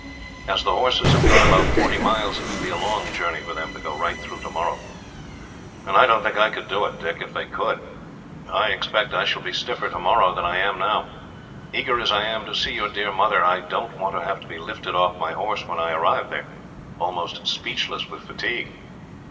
As the horses have gone about forty miles, it would be a long journey for them to go right through tomorrow." "I don't think I could do it, Dick, if they could. I expect I shall be stiffer tomorrow than I am now. Eager as I am to see your dear mother, I don't want to have to be lifted off my horse when I arrive there, almost speechless with fatigue."